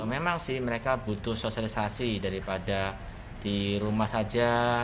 memang sih mereka butuh sosialisasi daripada di rumah saja